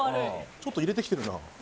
ちょっと入れてきてるな。